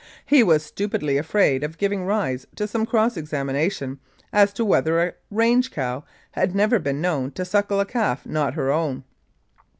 He was stupidly afraid of giving rise to some cross examination as to whether a range cow had never been known to suckle a calf not her own.